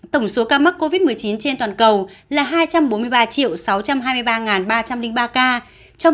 tổng số ca mắc covid một mươi chín trên toàn cầu là hai trăm bốn mươi ba sáu trăm hai mươi ba ba trăm linh ba ca